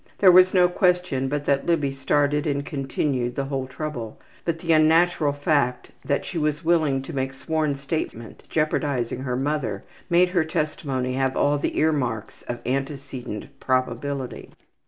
There was no question but that Libby started and continued the whole trouble, but the unnatural fact that she was willing to make sworn statements jeopardizing her mother made her testimony have all the earmarks of antecedent probability.